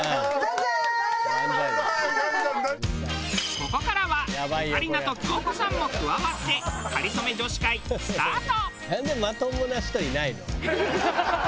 ここからはオカリナと京子さんも加わってかりそめ女子会スタート！